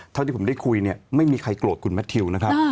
เท่าที่ผมได้คุยเนี่ยไม่มีใครโกรธคุณแมททิวนะครับ